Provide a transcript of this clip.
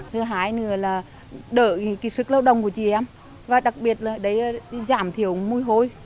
thứ hai nữa là đỡ sức lao động của chị em và đặc biệt là giảm thiểu môi hôi